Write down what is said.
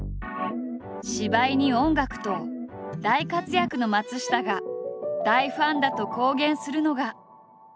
芝居に音楽と大活躍の松下が大ファンだと公言するのが。